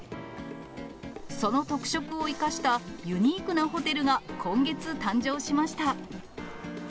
その特色を生かしたユニークなホテルが今月誕生しました。